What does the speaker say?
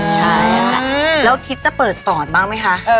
ใช่ค่ะแล้วคิดจะเปิดสอนบ้างไหมคะ